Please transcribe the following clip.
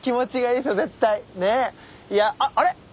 いやああれ？